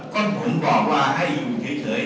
ก็ผมบอกว่าให้อยู่เฉย